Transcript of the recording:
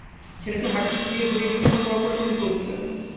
ছেলেটি হাঁটছে খুঁড়িয়ে-খুড়য়ে, কিছুক্ষণ পরপরই চমকে উঠছে।